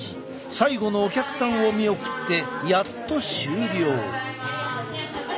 最後のお客さんを見送ってやっと終了。